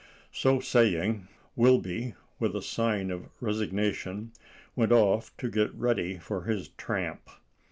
So saying, Wilby, with a sigh of resignation, went off to get ready for his tramp.